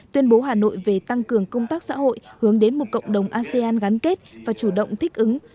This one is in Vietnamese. tuyên bố hà nội về tăng cường công tác xã hội hướng đến một cộng đồng asean gắn kết và chủ động thích ứng